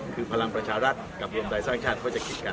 คือพลังประชารัฐกับรวมไทยสร้างชาติเขาจะคิดกัน